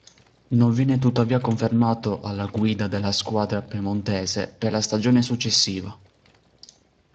Non viene tuttavia confermato alla guida della squadra piemontese per la stagione successiva.